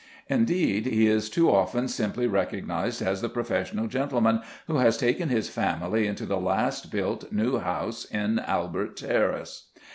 Indeed, he is too often simply recognized as the professional gentleman who has taken his family into the last built new house in Albert Terrace.